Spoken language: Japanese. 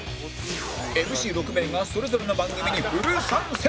ＭＣ６ 名がそれぞれの番組にフル参戦！